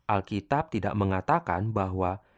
alkitab tidak mengatakan bahwa